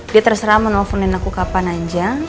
dia terserah mau nelfonin aku kapan aja